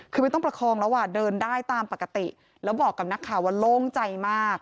คือไม่ต้องประคองแล้วอ่ะเดินได้ตามปกติแล้วบอกกับนักข่าวว่าโล่งใจมาก